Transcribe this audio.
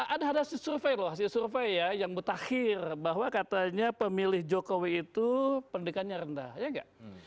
ada hasil survei loh hasil survei ya yang mutakhir bahwa katanya pemilih jokowi itu pendidikannya rendah ya enggak